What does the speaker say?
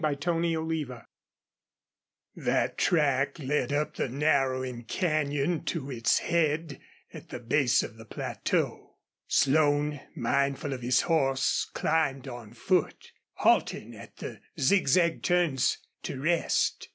CHAPTER XIX That track led up the narrowing canyon to its head at the base of the plateau. Slone, mindful of his horse, climbed on foot, halting at the zigzag turns to rest.